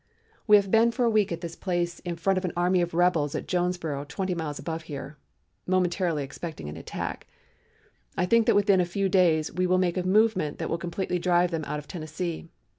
"We have been for a week at this place in front of an army of rebels at Jonesboro twenty miles above here, momentarily expecting an attack. I think that within a few days we will make a movement that will completely drive them out of Tennessee.